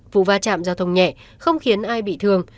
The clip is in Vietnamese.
vụ va chạm giao thông nhẹ không khiến ai bị thương